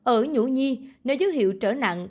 ở nhũ nhi nếu dấu hiệu trở nặng